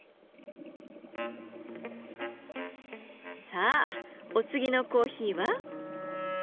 さあお次のコーヒーは？